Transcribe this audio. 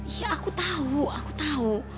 ya aku tahu aku tahu